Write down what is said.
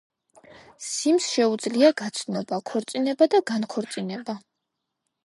სიმს შეუძლია გაცნობა, ქორწინება და განქორწინება.